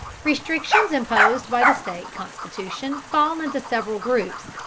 Restrictions imposed by the state constitution fall into several groups.